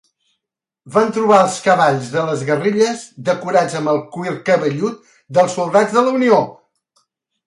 Van trobar els cavalls de les guerrilles decorats amb el cuir cabellut dels soldats de la Unió.